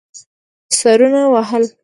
سرونه وهل.